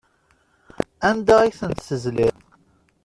Anda ay tent-tezliḍ?